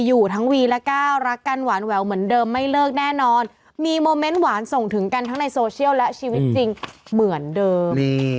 อยู่ทั้งวีและก้าวรักกันหวานแหววเหมือนเดิมไม่เลิกแน่นอนมีโมเมนต์หวานส่งถึงกันทั้งในโซเชียลและชีวิตจริงเหมือนเดิม